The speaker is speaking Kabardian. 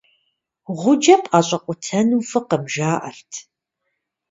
Гъуджэ пӀэщӀэкъутэну фӀыкъым, жаӀэрт.